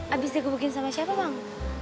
abis dia kebagiin sama siapa bang